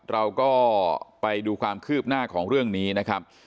เราก็ไปดูความคืบหน้าของเรื่องนี้นะครับ